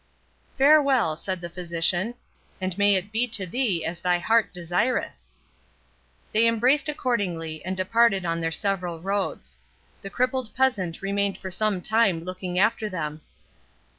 "Farewell," said the physician, "and may it be to thee as thy heart desireth." They embraced accordingly, and departed on their several roads. The crippled peasant remained for some time looking after them.